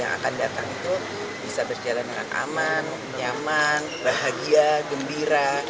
yang akan datang itu bisa berjalan dengan aman nyaman bahagia gembira